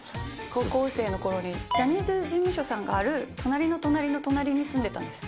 高校生のころに、ジャニーズ事務所さんがある隣の隣の隣に住んでたんです。